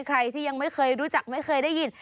ใครที่ยังไม่เคยรู้จักไม่เคยได้ยิน